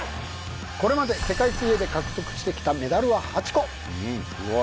これまで世界水泳で獲得してきたメダルは８個